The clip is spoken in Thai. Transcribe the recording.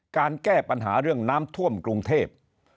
การแก้ปัญหาเรื่องน้ำท่วมกรุงเทพ